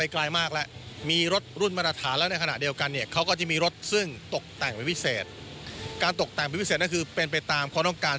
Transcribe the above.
การตกแต่งเป็นพิเศษก็คือเป็นไปตามความต้องการ